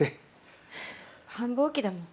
繁忙期だもん。